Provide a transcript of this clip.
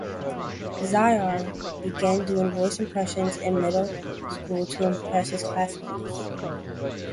Zahir began doing voice impressions in middle school to impress his classmates.